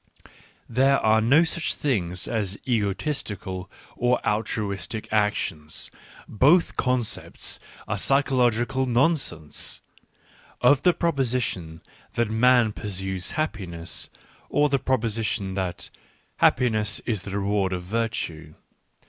... There are no such things as egoistic or altruistic actions : both concepts are psychological nonsense. Or the proposition that " man pursues happiness "; or the proposition that "happiness is the reward of virtue."